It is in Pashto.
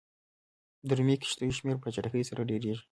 د رومي کښتیو شمېر په چټکۍ سره ډېرېږي.